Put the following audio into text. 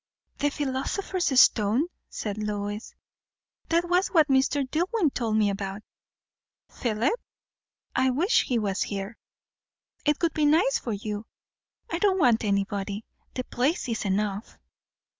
"The philosopher's stone?" said Lois. "That was what Mr. Dillwyn told me about." "Philip? I wish he was here." "It would be nice for you. I don't want anybody. The place is enough."